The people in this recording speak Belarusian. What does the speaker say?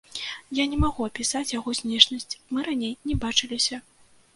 Я не магу апісаць яго знешнасць, мы раней не бачыліся.